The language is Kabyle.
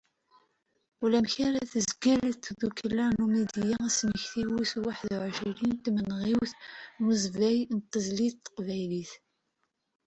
Ulamek ara tezgel tdukkla Numidya asmekti wis waḥed u εecrin n tmenɣiwt n unazbay n tezlit taqbaylit.